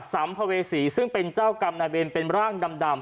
สัมภเวษีซึ่งเป็นเจ้ากรรมนายเวรเป็นร่างดำ